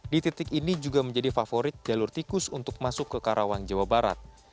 di titik ini juga menjadi favorit jalur tikus untuk masuk ke karawang jawa barat